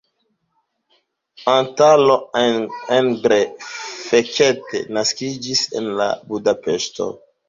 Antal Endre Fekete naskiĝis la en Budapeŝto.